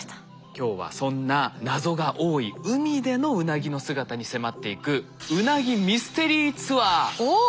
今日はそんな謎が多い海でのウナギの姿に迫っていくおっ！